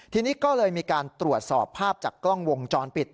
ทีนี้ก็เลยมีการตรวจสอบภาพจากกล้องวงจรปิด